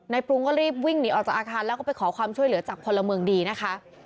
ปรุงก็รีบวิ่งหนีออกจากอาคารแล้วก็ไปขอความช่วยเหลือจากพลเมืองดีนะคะ